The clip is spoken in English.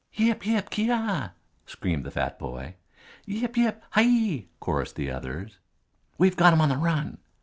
"Yip! Yip! Kyeeaw!" screamed the fat boy. "Yip! Yip! Hiyi!" chorused the others. "We've got 'em on the run!"